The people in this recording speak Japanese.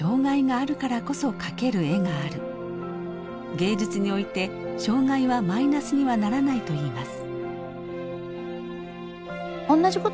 芸術において障害はマイナスにはならないといいます。